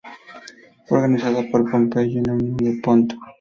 Fue organizada por Pompeyo y la unió al Ponto.